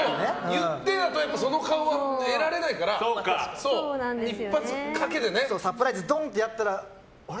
言ってだとその顔は得られないからサプライズ、ドンってやったらあれ？